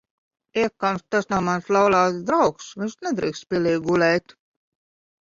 Iekams tas nav mans laulāts draugs, viņš nedrīkst pilī gulēt.